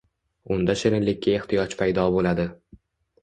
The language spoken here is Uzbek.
unda shirinlikka ehtiyoj paydo bo‘ladi.